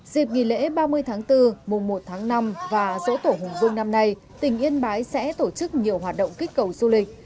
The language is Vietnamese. dịp nghỉ lễ ba mươi tháng bốn mùa một tháng năm và dỗ tổ hùng vương năm nay tỉnh yên bái sẽ tổ chức nhiều hoạt động kích cầu du lịch